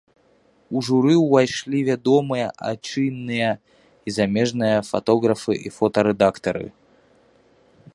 У журы ўвайшлі вядомыя айчынныя і замежныя фатографы і фотарэдактары.